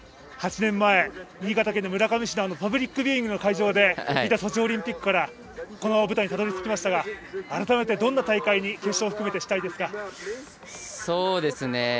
８年前、新潟県の村上市のパブリックビューイングの会場で見たソチオリンピックからこの舞台にたどり着きましたが改めてどんな大会に決勝含めて、したいですか？